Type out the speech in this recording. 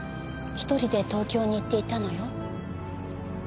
１人で東京に行っていたのよ。